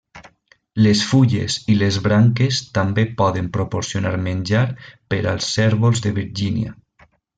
Les fulles i les branques també poden proporcionar menjar per als cérvols de Virgínia.